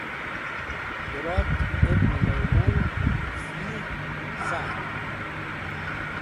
ضراط ابن ميمون فيه سعه